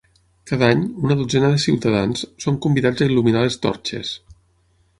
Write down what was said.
Cada any, una dotzena de ciutadans, són convidats a il·luminar les torxes.